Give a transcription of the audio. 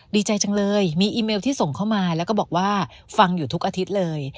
ดีใจจังเลยมีอีเมลที่ส่งเข้ามาแล้วก็บอกว่าฟังอยู่ทุกอาทิตย์เลย